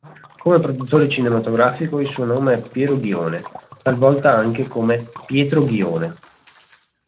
Come produttore cinematografico il suo nome è Piero Ghione, talvolta anche come Pietro Ghione